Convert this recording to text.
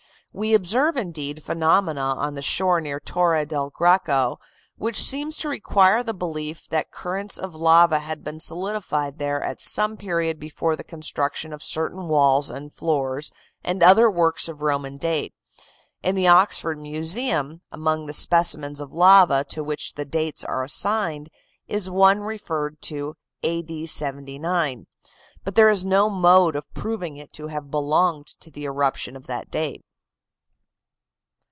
We observe, indeed, phenomena on the shore near Torre del Greco which seem to require the belief that currents of lava had been solidified there at some period before the construction of certain walls and floors, and other works of Roman date. In the Oxford Museum, among the specimens of lava to which the dates are assigned, is one referred to A. D. 79, but there is no mode of proving it to have belonged to the eruption of that date.